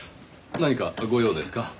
何かご用ですか？